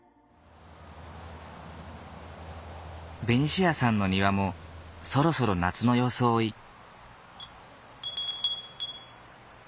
ベニシアさんの庭もそろそろ夏の装い。